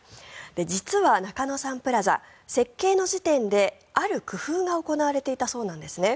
実は中野サンプラザ設計の時点である工夫が行われていたそうなんですね。